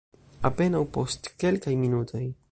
Apenaŭ post kelkaj minutoj.